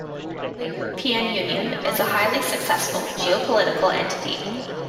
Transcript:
The European Union is a highly successful geopolitical entity.